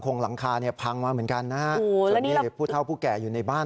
ของหลังคาเนี่ยพังมาเหมือนกันนะพูดเท่าผู้แก่อยู่ในบ้าน